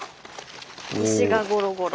石がゴロゴロ。